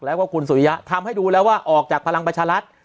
แล้วก็คุณสุริยะทำให้ดูแล้วว่าออกจากพลังประชารัฐ